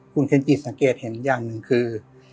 คุณเคนจิตสังเกตเห็นอย่างหนึ่งคือ